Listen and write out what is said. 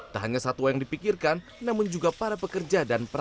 tak hanya satwa yang dipikirkan namun juga para pekerja dan perusahaan